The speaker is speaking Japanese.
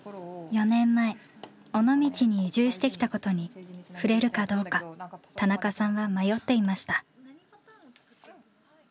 ４年前尾道に移住してきたことに触れるかどうか田中さんは迷っていました。